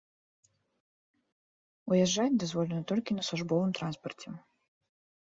Уязджаць дазволена толькі на службовым транспарце.